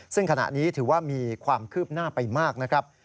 ซึ่งขณะนี้ถือว่ามีความคืบหน้าไปมากนะครับ